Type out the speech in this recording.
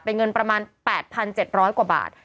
เป็นเงินประมาณ๘๗๐๐กว่าบาท